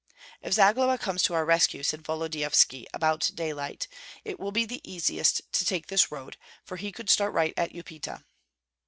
"If Zagloba comes to our rescue," said Volodyovski, about daylight, "it will be easiest to take this road, for he could start right at Upita."